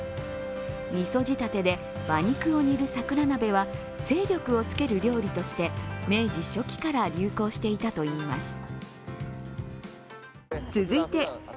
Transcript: みそ仕立てで馬肉を煮る桜なべは精力をつける料理として明治初期から流行していたといいます。